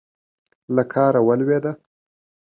له کاره ولوېده.